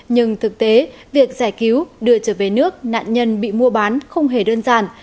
nhưng thực tế việc giải cứu đưa trở về nước nạn nhân bị mua bán không hề đơn giản